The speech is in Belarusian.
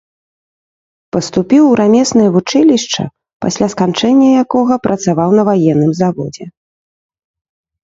Паступіў у рамеснае вучылішча, пасля сканчэння якога працаваў на ваенным заводзе.